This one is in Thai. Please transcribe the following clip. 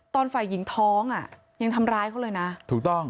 ฝ่ายหญิงท้องอ่ะยังทำร้ายเขาเลยนะถูกต้อง